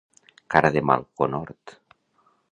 Cara de mal conhort.